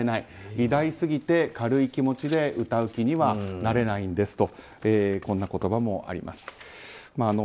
偉大すぎて軽い気持ちで歌う気にはなれないんですとこんな言葉もあります。